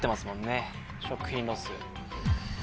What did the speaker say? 食品ロス。